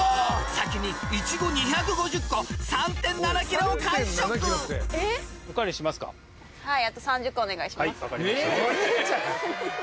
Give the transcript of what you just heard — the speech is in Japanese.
先にイチゴ２５０個３．７ｋｇを完食はい。